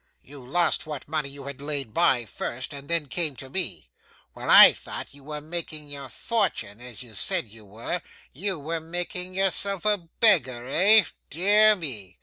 'You lost what money you had laid by, first, and then came to me. While I thought you were making your fortune (as you said you were) you were making yourself a beggar, eh? Dear me!